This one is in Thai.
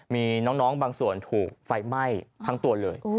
มีน้องบางส่วนถูกไฟไหม้ทั้งตัวเลย